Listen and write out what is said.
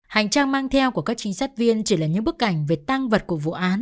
hành trang mang theo của các trinh sát viên chỉ là những bức ảnh về tăng vật của vụ án